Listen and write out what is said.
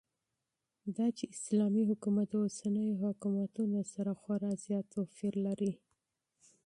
داچې اسلامي حكومت داوسنيو حكومتونو سره خورا زيات توپير لري